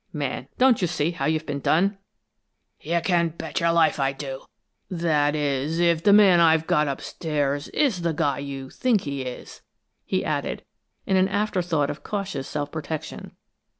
Man, don't you see how you've been done?" "You can bet your life I do that is, if the young man I've got upstairs is the guy you think he is," he added, in an afterthought of cautious self protection.